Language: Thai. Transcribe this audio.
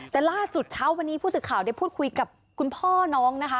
แต่ล่าสุดเช้าวันนี้ผู้สื่อข่าวได้พูดคุยกับคุณพ่อน้องนะคะ